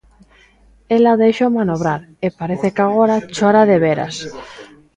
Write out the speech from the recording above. Ela déixao manobrar e parece que agora chora de veras.